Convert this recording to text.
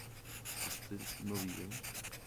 ¿usted no vive?